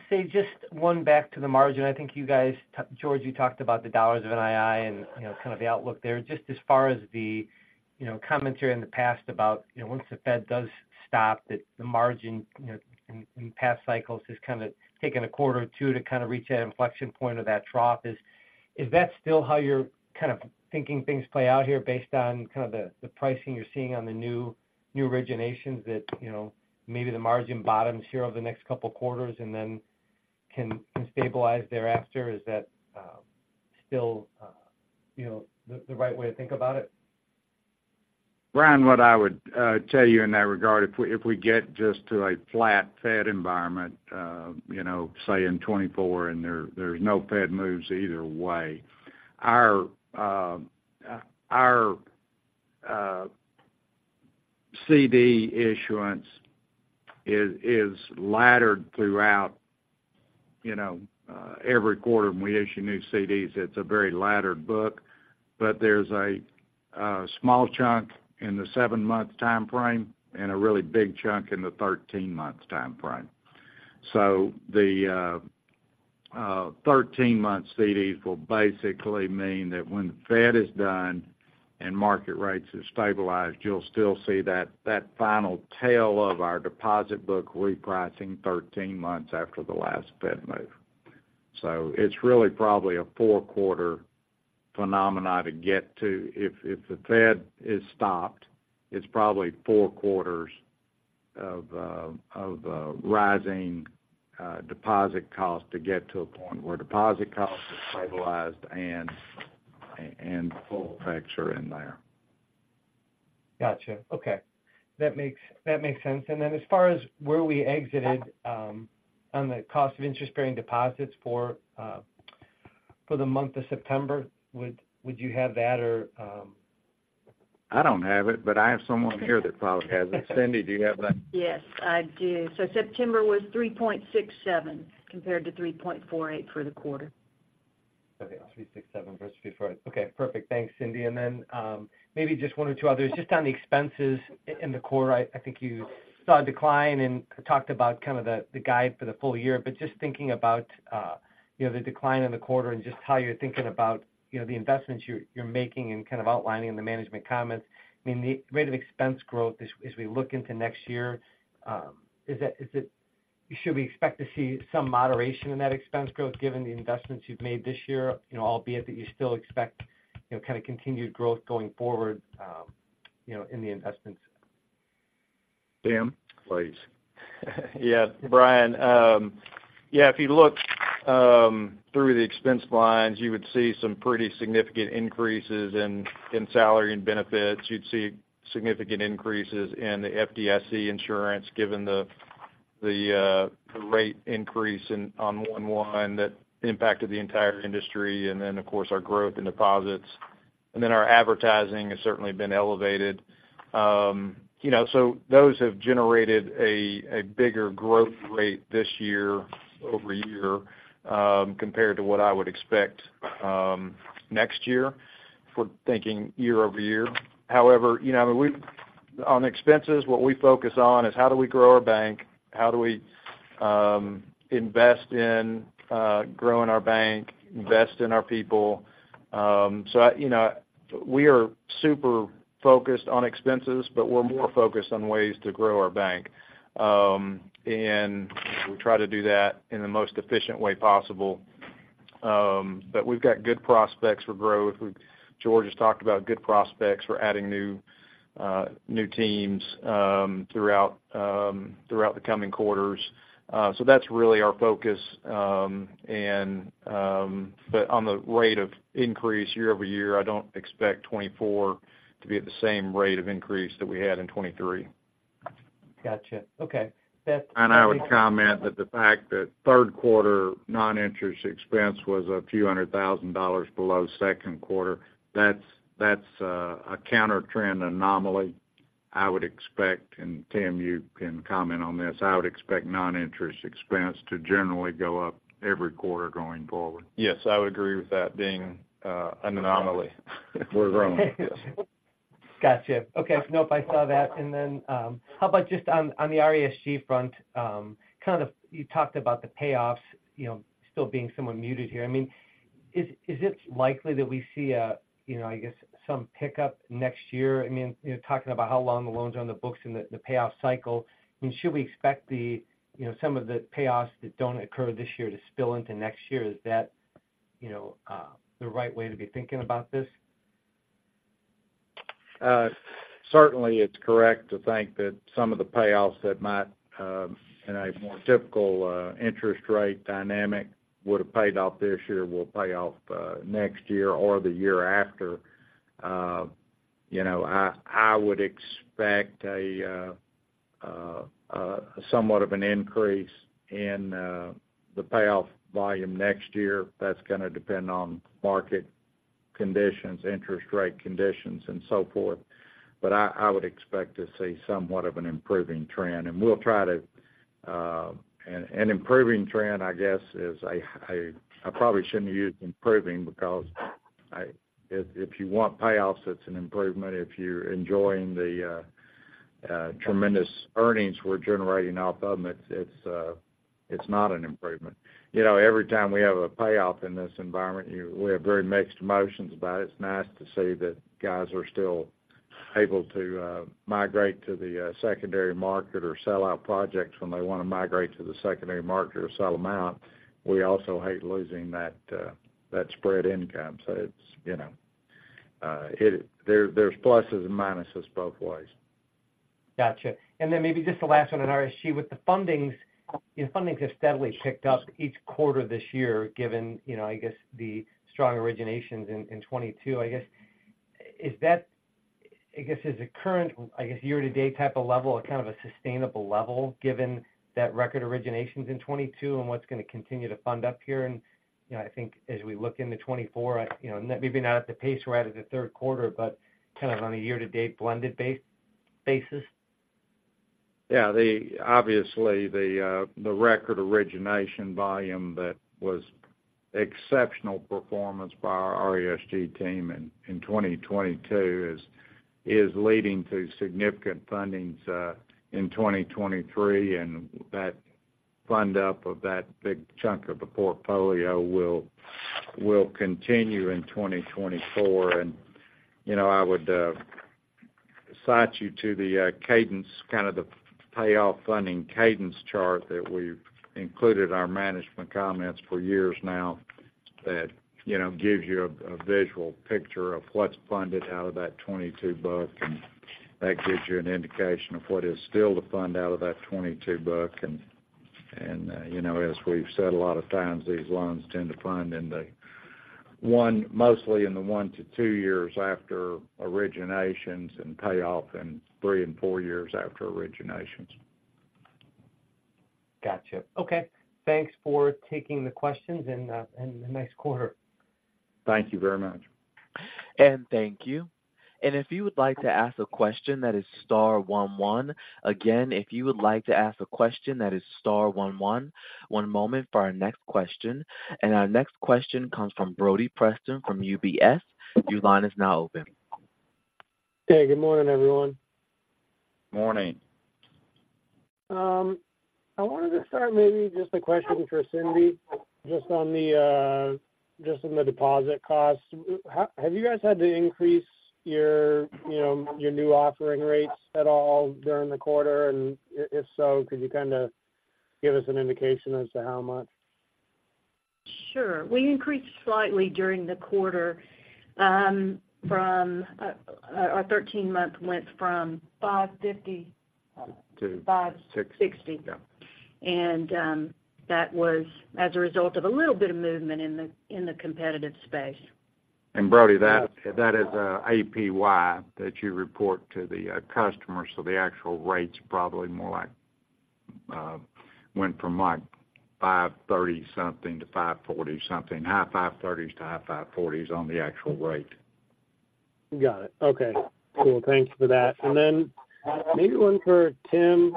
Say, just one back to the margin. I think you guys, George, you talked about the dollars of NII and, you know, kind of the outlook there. Just as far as the, you know, commentary in the past about, you know, once the Fed does stop, that the margin, you know, in, in past cycles has kind of taken a quarter or two to kind of reach that inflection point of that trough. Is, is that still how you're kind of thinking things play out here based on kind of the, the pricing you're seeing on the new, new originations that, you know, maybe the margin bottoms here over the next couple quarters and then can, can stabilize thereafter? Is that still, you know, the, the right way to think about it? Brian, what I would tell you in that regard, if we get just to a flat Fed environment, you know, say in 2024, and there's no Fed moves either way, our CD issuance is laddered throughout, you know, every quarter when we issue new CDs. It's a very laddered book, but there's a small chunk in the seven-month timeframe and a really big chunk in the 13-month timeframe. So the 13-month CDs will basically mean that when the Fed is done and market rates have stabilized, you'll still see that final tail of our deposit book repricing 13 months after the last Fed move. So it's really probably a four-quarter phenomenon to get to. If the Fed is stopped, it's probably four quarters of rising deposit costs to get to a point where deposit costs are stabilized and full effects are in there. Gotcha. Okay. That makes sense. And then as far as where we exited on the cost of interest-bearing deposits for the month of September, would you have that or... I don't have it, but I have someone here that probably has it. Cindy, do you have that? Yes, I do. September was 3.67, compared to 3.48 for the quarter. Okay, 367 versus 348. Okay, perfect. Thanks, Cindy. And then, maybe just one or two others. Just on the expenses in the quarter, I think you saw a decline and talked about kind of the guide for the full year. But just thinking about, you know, the decline in the quarter and just how you're thinking about, you know, the investments you're making and kind of outlining in the management comments. I mean, the rate of expense growth as we look into next year, should we expect to see some moderation in that expense growth given the investments you've made this year, you know, albeit that you still expect, you know, kind of continued growth going forward, you know, in the investments? Tim, please. Yeah, Brian, yeah, if you look through the expense lines, you would see some pretty significant increases in salary and benefits. You'd see significant increases in the FDIC insurance, given the rate increase on one line that impacted the entire industry, and then, of course, our growth in deposits. Our advertising has certainly been elevated. You know, so those have generated a bigger growth rate this year-over-year compared to what I would expect next year for thinking year-over-year. However, you know, we-- On expenses, what we focus on is how do we grow our bank? How do we invest in growing our bank, invest in our people? You know, we are super focused on expenses, but we're more focused on ways to grow our bank. And we try to do that in the most efficient way possible. But we've got good prospects for growth. George has talked about good prospects for adding new teams throughout the coming quarters. So that's really our focus. But on the rate of increase year-over-year, I don't expect 2024 to be at the same rate of increase that we had in 2023. Gotcha. Okay, that's- I would comment that the fact that third quarter non-interest expense was a few $100,000 below second quarter, that's a countertrend anomaly. I would expect, and Tim, you can comment on this, I would expect non-interest expense to generally go up every quarter going forward. Yes, I would agree with that being an anomaly. We're growing. Yes. Gotcha. Okay, nope, I saw that. And then, how about just on the RESG front, kind of you talked about the payoffs, you know, still being somewhat muted here. I mean, is it likely that we see a, you know, I guess, some pickup next year? I mean, you know, talking about how long the loans are on the books and the payoff cycle, I mean, should we expect the, you know, some of the payoffs that don't occur this year to spill into next year? Is that, you know, the right way to be thinking about this? Certainly, it's correct to think that some of the payoffs that might, in a more typical interest rate dynamic, would have paid off this year, will pay off next year or the year after. You know, I would expect somewhat of an increase in the payoff volume next year. That's going to depend on market conditions, interest rate conditions, and so forth. But I would expect to see somewhat of an improving trend, and—an improving trend, I guess, is—I probably shouldn't have used improving because if you want payoffs, it's an improvement. If you're enjoying the tremendous earnings we're generating off of them, it's not an improvement. You know, every time we have a payoff in this environment, we have very mixed emotions about it. It's nice to see that guys are still able to migrate to the secondary market or sell out projects when they want to migrate to the secondary market or sell them out. We also hate losing that spread income. So it's, you know, there's pluses and minuses both ways. Gotcha. And then maybe just the last one on RESG. With the fundings, your fundings have steadily picked up each quarter this year, given, you know, I guess, the strong originations in 2022. I guess, is the current, I guess, year-to-date type of level, a kind of a sustainable level, given that record originations in 2022 and what's going to continue to fund up here? And, you know, I think as we look into 2024, you know, maybe not at the pace we're at in the third quarter, but kind of on a year-to-date blended basis. Yeah, obviously, the record origination volume that was exceptional performance by our RESG team in 2022 is leading to significant fundings in 2023, and that fund up of that big chunk of the portfolio will continue in 2024. And, you know, I would cite you to the cadence, kind of the payoff funding cadence chart that we've included in our management comments for years now, that, you know, gives you a visual picture of what's funded out of that 2022 book. And, you know, as we've said a lot of times, these loans tend to fund in the one, mostly in the one to two years after originations and pay off in three and four years after originations. Gotcha. Okay, thanks for taking the questions, and, and the next quarter. Thank you very much. Thank you. If you would like to ask a question, that is star one one. Again, if you would like to ask a question, that is star one one. One moment for our next question. Our next question comes from Brody Preston from UBS. Your line is now open. Hey, good morning, everyone. Morning. I wanted to start maybe just a question for Cindy, just on the, just on the deposit costs. Have you guys had to increase your, you know, your new offering rates at all during the quarter? And if so, could you kind of give us an indication as to how much? Sure. We increased slightly during the quarter, from our 13-month went from 550- To- Five sixty. Yeah. That was as a result of a little bit of movement in the competitive space. Brody, that, that is, APY that you report to the customer. The actual rate's probably more like, went from, like, 5.30-something to 5.40-something, high 5.30s to high 5.40s on the actual rate. Got it. Okay, cool. Thanks for that. And then maybe one for Tim.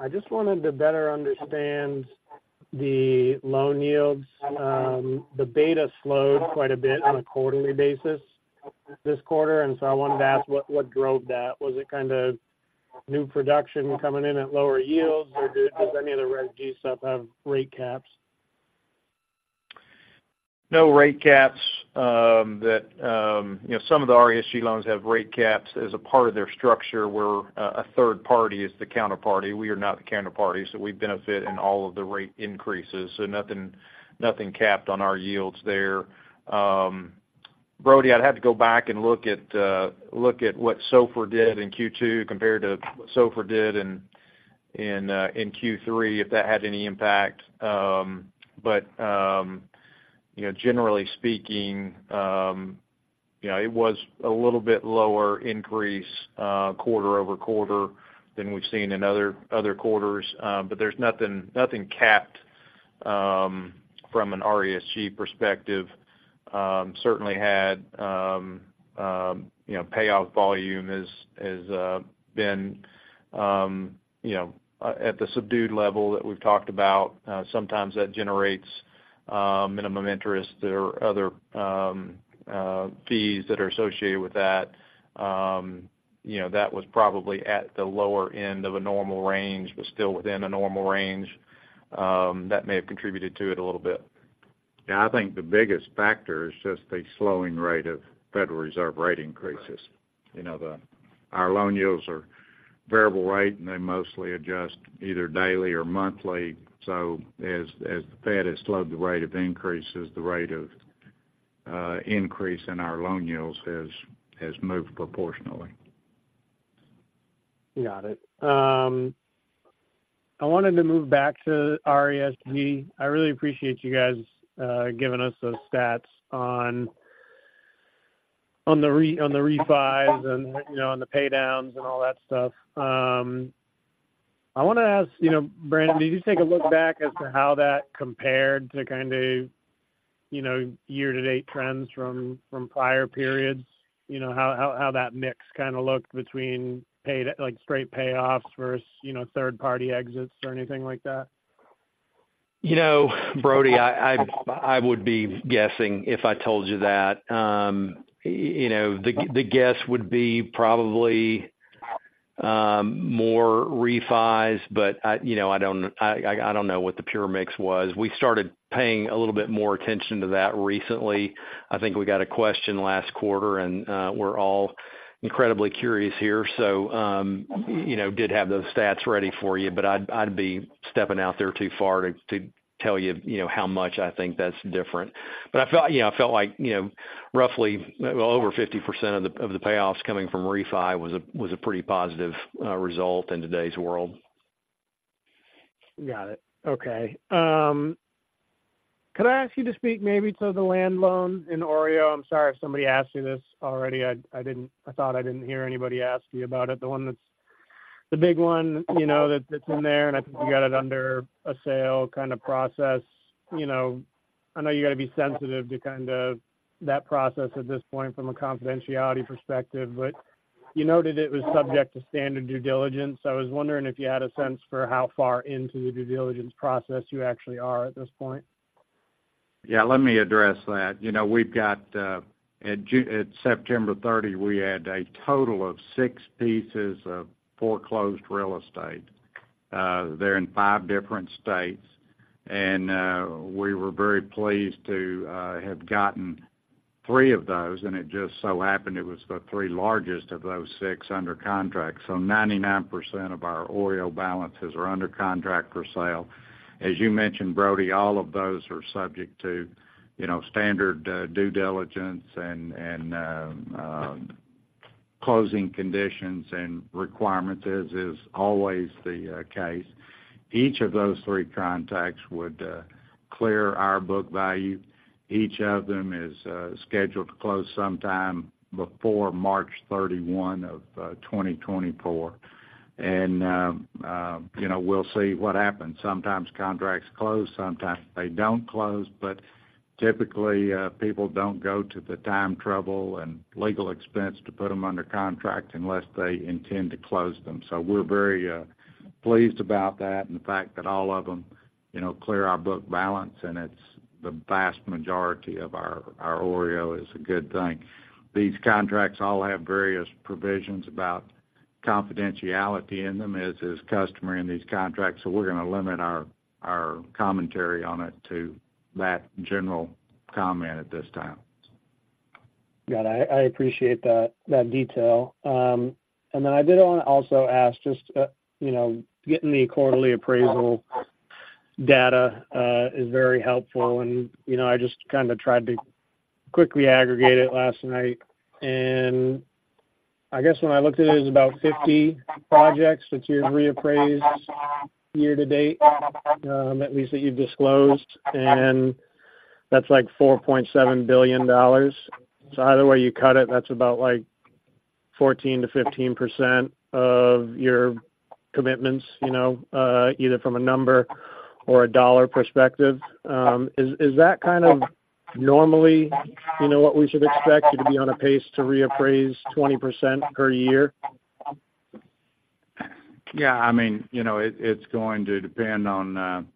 I just wanted to better understand the loan yields. The beta slowed quite a bit on a quarterly basis this quarter, and so I wanted to ask, what, what drove that? Was it kind of new production coming in at lower yields, or did, does any of the RESG stuff have rate caps? No rate caps. That, you know, some of the RESG loans have rate caps as a part of their structure, where a third party is the counterparty. We are not the counterparty, so we benefit in all of the rate increases, so nothing, nothing capped on our yields there. Brody, I'd have to go back and look at what SOFR did in Q2 compared to what SOFR did in Q3, if that had any impact. But, you know, generally speaking, you know, it was a little bit lower increase quarter-over-quarter than we've seen in other quarters. But there's nothing, nothing capped from an RESG perspective. Certainly had, you know, payoff volume has been, you know, at the subdued level that we've talked about. Sometimes that generates minimum interest or other fees that are associated with that. You know, that was probably at the lower end of a normal range, but still within a normal range. That may have contributed to it a little bit. Yeah, I think the biggest factor is just the slowing rate of Federal Reserve rate increases. Right. You know, our loan yields are variable rate, and they mostly adjust either daily or monthly. So as the Fed has slowed the rate of increases, the rate of increase in our loan yields has moved proportionally.... Got it. I wanted to move back to RESG. I really appreciate you guys giving us those stats on the refis and, you know, on the pay downs and all that stuff. I want to ask, you know, Brannon, did you take a look back as to how that compared to kind of, you know, year-to-date trends from prior periods? You know, how that mix kind of looked between paid, like, straight payoffs versus, you know, third-party exits or anything like that? You know, Brody, I would be guessing if I told you that. You know, the guess would be probably more refis, but you know, I don't know what the pure mix was. We started paying a little bit more attention to that recently. I think we got a question last quarter, and we're all incredibly curious here. So, you know, did have those stats ready for you, but I'd be stepping out there too far to tell you, you know, how much I think that's different. But I felt, you know, I felt like, you know, roughly, well, over 50% of the payoffs coming from refi was a pretty positive result in today's world. Got it. Okay. Could I ask you to speak maybe to the land loan in OREO? I'm sorry if somebody asked you this already. I didn't—I thought I didn't hear anybody ask you about it. The one that's the big one, you know, that, that's in there, and I think you got it under a sale kind of process. You know, I know you got to be sensitive to kind of that process at this point from a confidentiality perspective, but you noted it was subject to standard due diligence. So I was wondering if you had a sense for how far into the due diligence process you actually are at this point. Yeah, let me address that. You know, we've got at September 30, we had a total of six pieces of foreclosed real estate. They're in five different states, and we were very pleased to have gotten three of those, and it just so happened it was the three largest of those six under contract. So 99% of our OREO balances are under contract for sale. As you mentioned, Brody, all of those are subject to, you know, standard due diligence and closing conditions and requirements, as is always the case. Each of those three contracts would clear our book value. Each of them is scheduled to close sometime before March 31, 2024. You know, we'll see what happens. Sometimes contracts close, sometimes they don't close, but typically, people don't go to the time, trouble, and legal expense to put them under contract unless they intend to close them. So we're very pleased about that and the fact that all of them, you know, clear our book balance, and it's the vast majority of our OREO is a good thing. These contracts all have various provisions about confidentiality in them, as is customary in these contracts, so we're going to limit our commentary on it to that general comment at this time. Got it. I appreciate that detail. And then I did want to also ask, just, you know, getting the quarterly appraisal data is very helpful. And, you know, I just kind of tried to quickly aggregate it last night. And I guess when I looked at it, it was about 50 projects that you've reappraised year to date, at least that you've disclosed, and that's like $4.7 billion. So either way you cut it, that's about, like, 14%-15% of your commitments, you know, either from a number or a dollar perspective. Is that kind of normally, you know, what we should expect you to be on a pace to reappraise 20% per year? Yeah, I mean, you know, it's going to depend on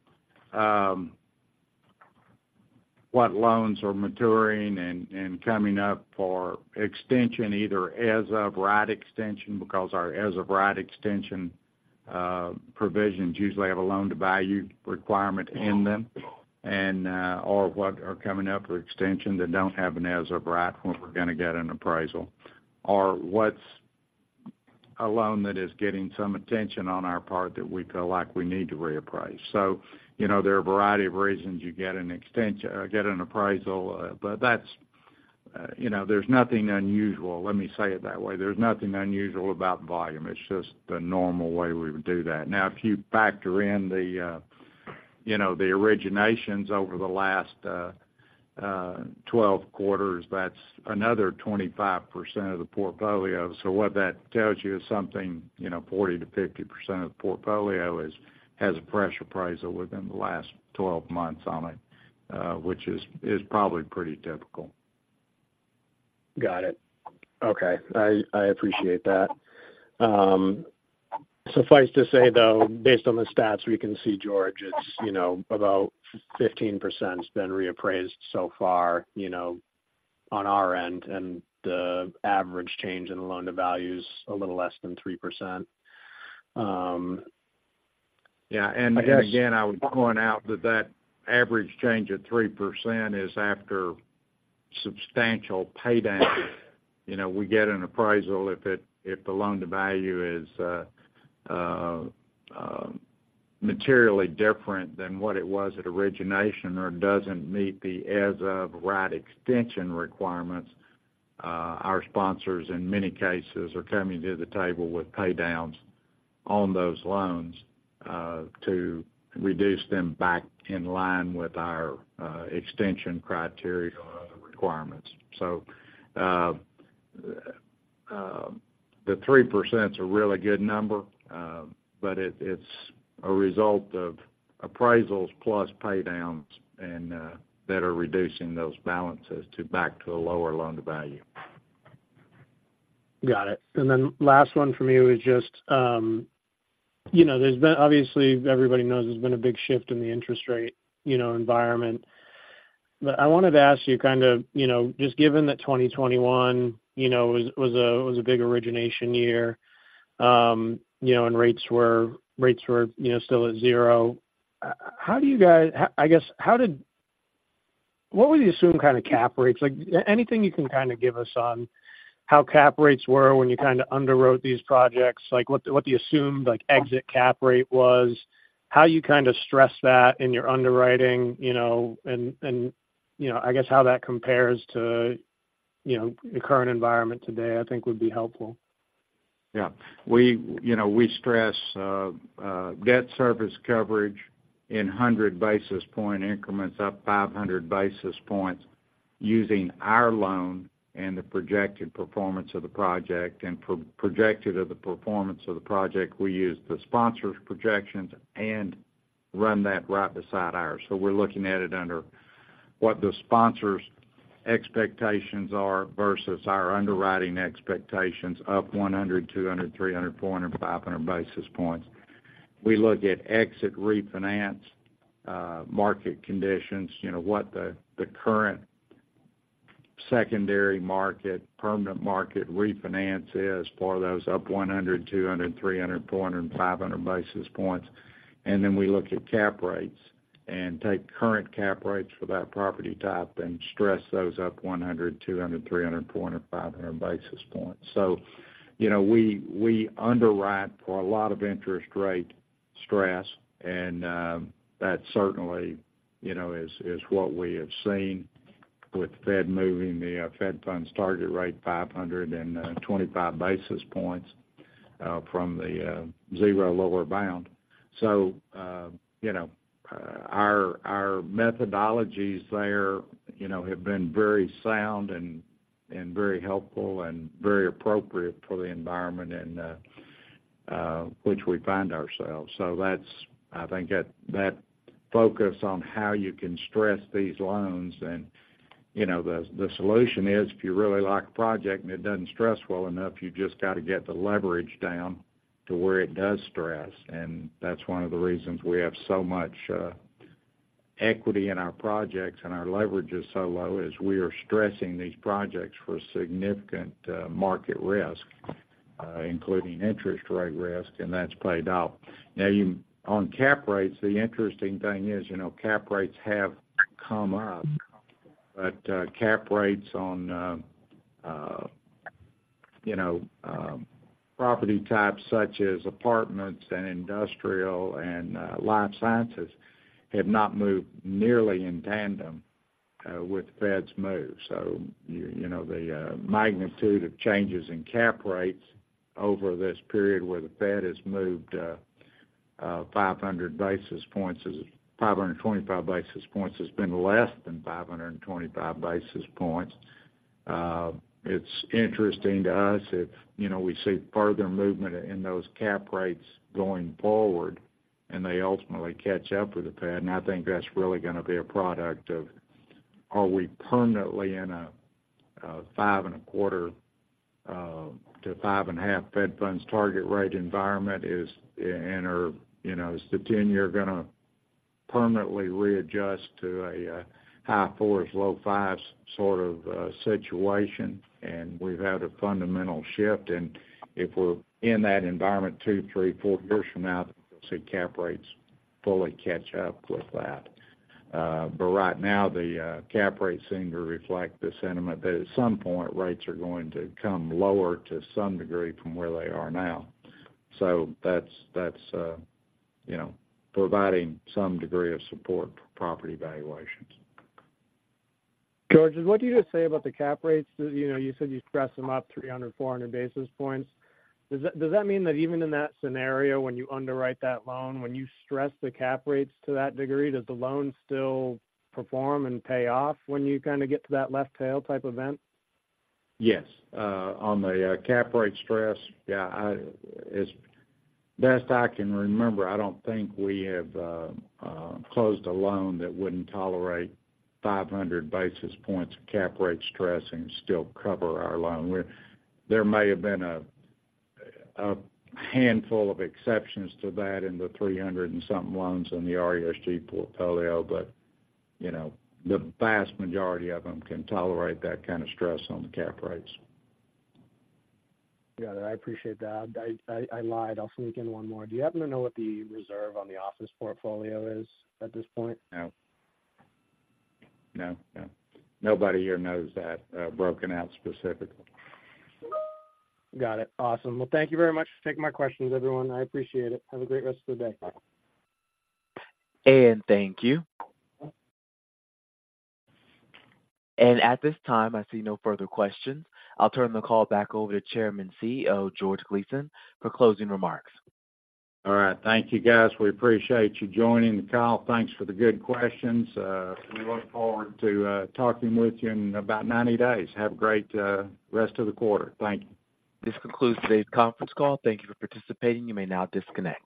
what loans are maturing and coming up for extension, either as of right extension, because our as of right extension provisions usually have a loan-to-value requirement in them, and, or what are coming up for extension that don't have an as of right when we're going to get an appraisal. Or what's a loan that is getting some attention on our part that we feel like we need to reappraise. So, you know, there are a variety of reasons you get an extension, get an appraisal, but that's, you know, there's nothing unusual. Let me say it that way: there's nothing unusual about volume. It's just the normal way we would do that. Now, if you factor in the, you know, the originations over the last, 12 quarters, that's another 25% of the portfolio. So what that tells you is something, you know, 40%-50% of the portfolio has a fresh appraisal within the last 12 months on it, which is probably pretty typical. Got it. Okay. I appreciate that. Suffice to say, though, based on the stats we can see, George, it's, you know, about 15% has been reappraised so far, you know, on our end, and the average change in the loan-to-value is a little less than 3%. Yeah. I guess- And again, I would point out that that average change of 3% is after substantial paydown. You know, we get an appraisal if the loan-to-value is materially different than what it was at origination or doesn't meet the as of right extension requirements. Our sponsors, in many cases, are coming to the table with paydowns on those loans to reduce them back in line with our extension criteria or requirements. So, the 3%'s a really good number, but it, it's a result of appraisals plus paydowns, and that are reducing those balances to back to a lower loan-to-value. Got it. Last one for me was just, you know, there's been—obviously, everybody knows there's been a big shift in the interest rate, you know, environment. I wanted to ask you kind of, you know, just given that 2021, you know, was a, was a big origination year, you know, and rates were, rates were, you know, still at zero. How do you guys... I guess, how did—what would you assume kind of cap rates? Like, anything you can kind of give us on how cap rates were when you kind of underwrote these projects? Like, what the assumed, like, exit cap rate was, how you kind of stressed that in your underwriting, you know, and, you know, I guess how that compares to, you know, the current environment today, I think would be helpful. Yeah. We, you know, we stress debt service coverage in 100 basis point increments, up 500 basis points, using our loan and the projected performance of the project. And projected performance of the project, we use the sponsor's projections and run that right beside ours. So we're looking at it under what the sponsors' expectations are versus our underwriting expectations up 100, 200, 300, 400, 500 basis points. We look at exit refinance market conditions, you know, what the current secondary market, permanent market refinance is for those up 100, 200, 300, 400, and 500 basis points. And then we look at cap rates and take current cap rates for that property type and stress those up 100, 200, 300, 400, 500 basis points. So, you know, we underwrite for a lot of interest rate stress, and that certainly, you know, is what we have seen with the Fed moving the Fed funds target rate 525 basis points from the zero lower bound. So you know our methodologies there, you know, have been very sound and very helpful, and very appropriate for the environment and which we find ourselves. So that's... I think that focus on how you can stress these loans and, you know, the solution is, if you really like a project and it doesn't stress well enough, you just got to get the leverage down to where it does stress. That's one of the reasons we have so much equity in our projects and our leverage is so low, is we are stressing these projects for significant market risk, including interest rate risk, and that's played out. Now, on cap rates, the interesting thing is, you know, cap rates have come up, but cap rates on, you know, property types such as apartments and industrial and life sciences, have not moved nearly in tandem with the Fed's move. So you, you know, the magnitude of changes in cap rates over this period, where the Fed has moved 500 basis points, is 525 basis points, has been less than 525 basis points. It's interesting to us if, you know, we see further movement in those cap rates going forward, and they ultimately catch up with the Fed. I think that's really gonna be a product of, are we permanently in a 5.25-5.5 Fed funds target rate environment? Is, or, you know, is the 10-year gonna permanently readjust to a high fours, low fives sort of situation? We've had a fundamental shift, and if we're in that environment two, three, four years from now, then we'll see cap rates fully catch up with that. Right now, the cap rates seem to reflect the sentiment that at some point, rates are going to come lower to some degree from where they are now. That's you know, providing some degree of support for property valuations. George, what did you just say about the cap rates? You know, you said you stressed them up 300-400 basis points. Does that, does that mean that even in that scenario, when you underwrite that loan, when you stress the cap rates to that degree, does the loan still perform and pay off when you kind of get to that left tail type event? Yes. On the cap rate stress, yeah, I, as best I can remember, I don't think we have closed a loan that wouldn't tolerate 500 basis points of cap rate stress and still cover our loan. Where there may have been a handful of exceptions to that in the 300-something loans in the RESG portfolio, but, you know, the vast majority of them can tolerate that kind of stress on the cap rates. Got it. I appreciate that. I lied. I'll sneak in one more. Do you happen to know what the reserve on the office portfolio is at this point? No. No, no. Nobody here knows that, broken out specifically. Got it. Awesome. Well, thank you very much for taking my questions, everyone. I appreciate it. Have a great rest of the day. Bye. Thank you. At this time, I see no further questions. I'll turn the call back over to Chairman and CEO, George Gleason, for closing remarks. All right. Thank you, guys. We appreciate you joining the call. Thanks for the good questions. We look forward to talking with you in about 90 days. Have a great rest of the quarter. Thank you. This concludes today's conference call. Thank you for participating. You may now disconnect.